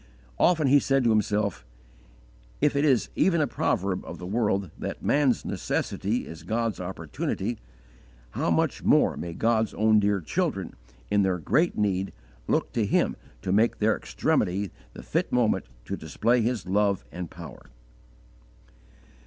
Often he said to himself, If it is even a proverb of the world that "Man's necessity is God's opportunity," how much more may God's own dear children in their great need look to Him to make their extremity the fit moment to display His love and power!